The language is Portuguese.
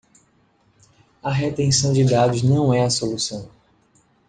A retenção de dados não é a solução!